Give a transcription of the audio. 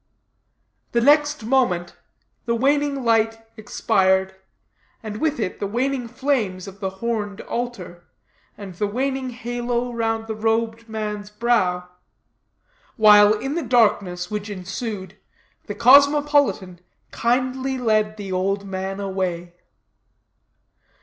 The next moment, the waning light expired, and with it the waning flames of the horned altar, and the waning halo round the robed man's brow; while in the darkness which ensued, the cosmopolitan kindly led the old man away.